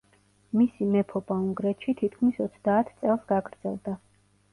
მისი მეფობა უნგრეთში თითქმის ოცდაათ წელს გაგრძელდა.